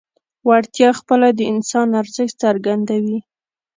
وړتیا خپله د انسان ارزښت څرګندوي.